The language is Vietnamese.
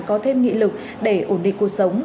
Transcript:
có thêm nghị lực để ổn định cuộc sống